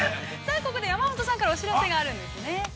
ここで、山本さんからお知らせがあるんですね。